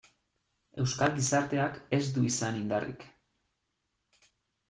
Euskal gizarteak ez du izan indarrik.